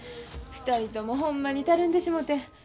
２人ともほんまにたるんでしもて。